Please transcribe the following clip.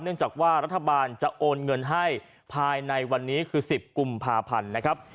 จากว่ารัฐบาลจะโอนเงินให้ภายในวันนี้คือ๑๐กุมภาพันธ์นะครับ